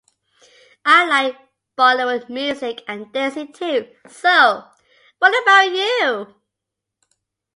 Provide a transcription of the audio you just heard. I like Bollywood music, and, dancing too. So, what about you?